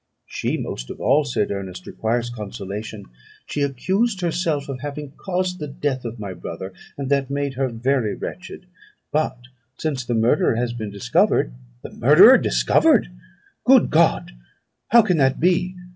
"She most of all," said Ernest, "requires consolation; she accused herself of having caused the death of my brother, and that made her very wretched. But since the murderer has been discovered " "The murderer discovered! Good God! how can that be?